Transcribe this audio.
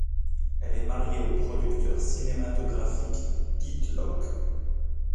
Elle est mariée au producteur cinématographique Pete Locke.